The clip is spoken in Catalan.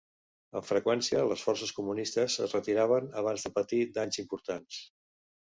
Amb freqüència, les forces comunistes es retiraven abans de patir danys importants.